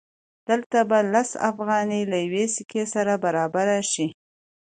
دلته به لس افغانۍ له یوې سکې سره برابرې شي